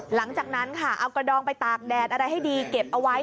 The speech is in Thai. หลังจากนั้นค่ะเอากระดองไปตากแดดอะไรให้ดีเก็บเอาไว้